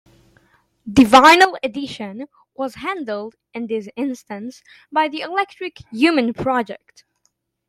The vinyl edition was handled, in this instance, by the Electric Human Project.